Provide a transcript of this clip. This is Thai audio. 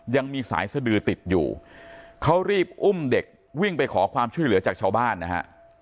ยังมีสายสดือติดอยู่เขารีบอุ้มเด็กวิ่งไปขอความช่วยเหลือจากชาวบ้านนะฮะ